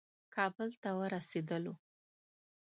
کابل ته ورسېدلو.